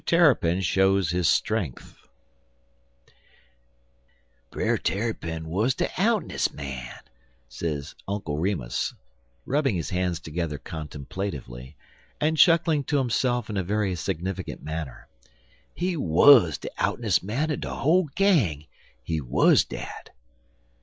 TERRAPIN SHOWS HIS STRENGTH "BRER TARRYPIN wuz de out'nes' man," said Uncle Remus, rubbing his hands together contemplatively, and chuckling to himself in a very significant manner; "he wuz de out'nes' man er de whole gang. He wuz dat."